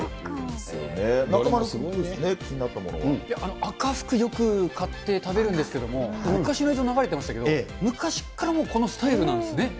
中丸君、どうですか、気にな赤福、よく買って食べるんですけども、昔の映像、流れてましたけど、昔からもうこのスタイルなんですね。